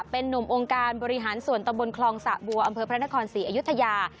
เป็นนุ่มองค์การบริหารส่วนตะบนคลองสะบัวอำเภอพระนครศรีอยุธยา